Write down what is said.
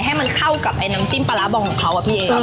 ให้มันเข้ากับไอ้น้ำจิ้มปลาร้าบองของเขาอะพี่เอ